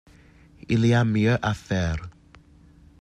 Il y a mieux à faire.